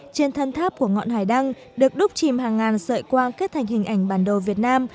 trên thân tháp của ngọn hải đăng được đúc chìm hàng ngàn sợi quang kết thành hình ảnh bản đồ việt nam